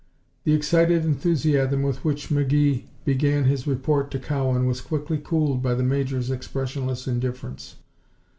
The excited enthusiasm with which McGee began his report to Cowan was quickly cooled by the Major's expressionless indifference.